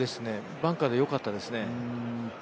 バンカーでよかったですね。